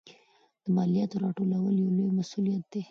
د مالیاتو راټولول یو لوی مسوولیت دی.